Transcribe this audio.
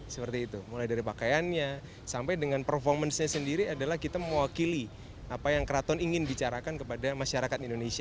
seperti itu mulai dari pakaiannya sampai dengan performance nya sendiri adalah kita mewakili apa yang keraton ingin bicarakan kepada masyarakat indonesia